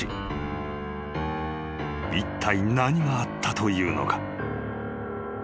［いったい何があったというのか？］